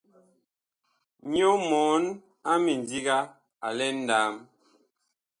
Nyɔ mɔɔn a mindiga a lɛ nlaam.